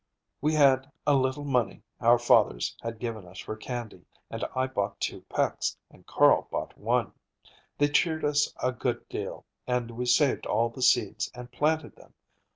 We had a little money our fathers had given us for candy, and I bought two pecks and Carl bought one. They cheered us a good deal, and we saved all the seeds and planted them.